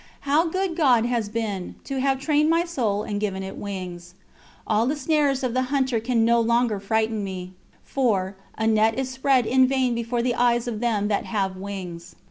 How good God has been, to have trained my soul and given it wings All the snares of the hunter can no longer frighten me, for "A net is spread in vain before the eyes of them that have wings."